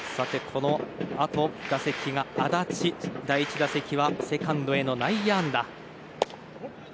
このあと打席が安達第１打席はセカンドへの内野安打。